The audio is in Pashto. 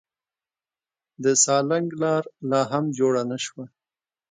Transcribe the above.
د سالنګ لار لا هم جوړه نه شوه.